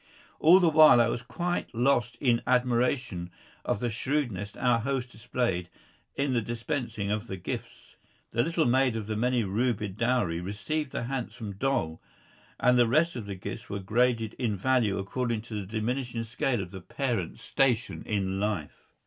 All the while I was quite lost in admiration of the shrewdness our host displayed in the dispensing of the gifts. The little maid of the many rubied dowry received the handsomest doll, and the rest of the gifts were graded in value according to the diminishing scale of the parents' stations in life.